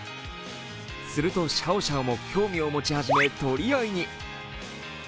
すると、シャオシャオも興味を持ち始め、取り合いに。